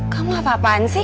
kamu apa apaan sih